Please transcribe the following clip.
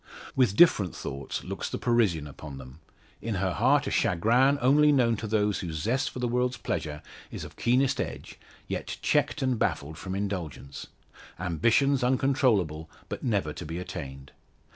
With different thoughts looks the Parisian upon them in her heart a chagrin only known to those whose zest for the world's pleasure is of keenest edge, yet checked and baffled from indulgence ambitions uncontrollable, but never to be attained.